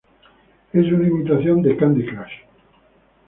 Es una imitación de Candy Crush.